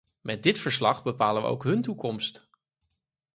Met dit verslag bepalen we ook hun toekomst.